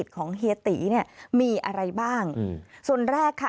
ฟังเสียงลูกจ้างรัฐตรเนธค่ะ